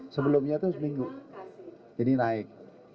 sebelumnya itu seminggu jadi naik